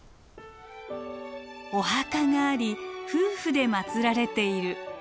「お墓があり夫婦で祀られている」。